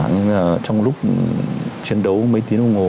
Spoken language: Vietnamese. nhưng trong lúc chiến đấu mấy tiếng ô ngô